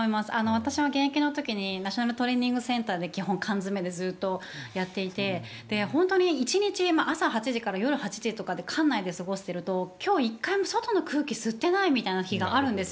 私も現役のときにナショナルトレーニングセンターで基本、缶詰でずっとやっていて本当に１日朝８時から夜８時で館内で過ごしていると今日１回も外の空気吸ってないみたいな日があるんです。